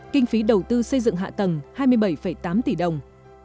kinh phí đầu tư xây dựng hạ tầng hai mươi bảy tám tỷ đồng